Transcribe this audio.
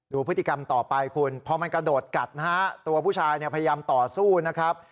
ดูพฤติกรรมต่อไปคุณพอมันกระโดดกัดนะฮะตัวผู้ชายเนี่ยพยายามต่อสู้นะครับ